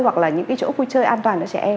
hoặc là những cái chỗ vui chơi an toàn cho trẻ em